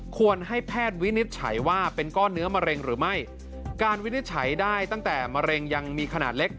ควรให้แพทย์วินิจฉัยว่าเป็นก้อนเนื้อมะเร็งหรือไม่การวินิจฉัยได้ตั้งแต่มะเร็งยังมีขนาดเล็ก